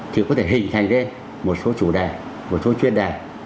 thì có thể hình thành lên một số chủ đề một số chuyên đề